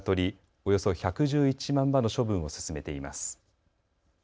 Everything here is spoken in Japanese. およそ１１１万羽の処分を進めています。